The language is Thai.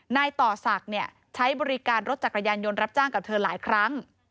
นายต่อศักดิ์ใช้บริการรถจักรยานยนต์รับจ้างกับเธอหลายครั้ง